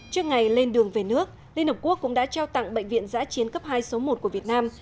trước ngày lên đường về nước liên hợp quốc cũng đã trao tặng bệnh viện giã chiến cấp hai số một của việt nam